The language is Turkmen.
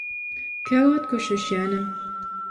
käwagt köşeşýänem